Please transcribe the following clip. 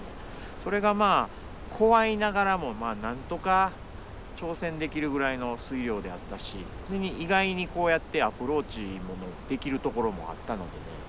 それがまあ怖いながらもなんとか挑戦できるぐらいの水量であったし意外にこうやってアプローチできるところもあったのでね